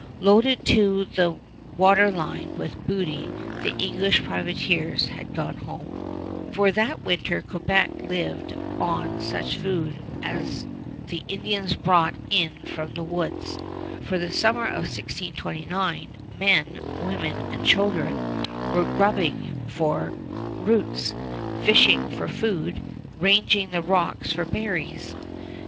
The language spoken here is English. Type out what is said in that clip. Loaded to the water line with booty, the English privateers had gone home. [Illustration: QUEBEC (From Champlain's map)] For that winter Quebec lived on such food as the Indians brought in from the woods. By the summer of 1629 men, women, and children were grubbing for roots, fishing for food, ranging the rocks for berries.